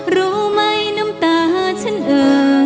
รู้ไหมน้ำตาฉันเอ่อ